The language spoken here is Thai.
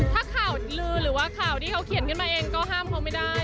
ถ้าข่าวลือหรือว่าข่าวที่เขาเขียนขึ้นมาเองก็ห้ามเขาไม่ได้